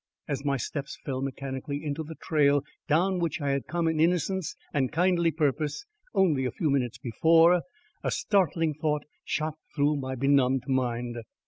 As my steps fell mechanically into the trail down which I had come in innocence and kindly purpose only a few minutes before, a startling thought shot through my benumbed mind.